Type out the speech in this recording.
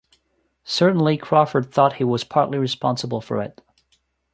Certainly Crawford thought he was partly responsible for it.